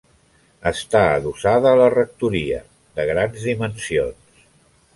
Està adossada a la rectoria, de grans dimensions.